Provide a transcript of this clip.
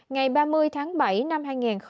ngày ba mươi tháng bảy năm hai nghìn hai mươi